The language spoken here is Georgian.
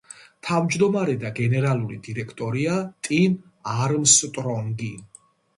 თავმჯდომარე და გენერალური დირექტორია ტიმ არმსტრონგი.